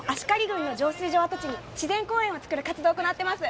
郡の浄水場跡地に自然公園を造る活動を行ってます。